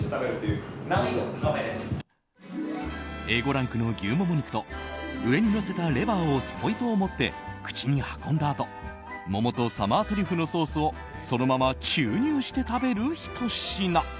Ａ５ランクの牛モモ肉と上にのせたレバーをスポイトを持って口に運んだあと桃とサマートリュフのソースをそのまま注入して食べる、ひと品。